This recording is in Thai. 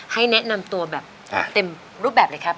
ให้แนะนำตัวแบบเต็มรูปแบบเลยครับ